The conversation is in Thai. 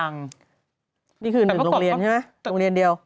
นี่คือ๑โรงเรียนใช่ไหมโรงเรียนเดียว